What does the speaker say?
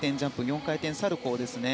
４回転サルコウですね。